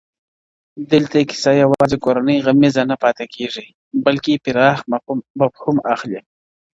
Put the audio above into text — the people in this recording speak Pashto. دلته کيسه يوازي کورنۍ غميزه نه پاته کيږي بلکي پراخ مفهوم اخلي,